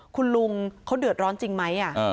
คุณลุงเขาเดือดร้อนจริงไหม